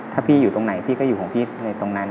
ถ้าพี่อยู่ตรงไหนพี่ก็อยู่ของพี่ในตรงนั้น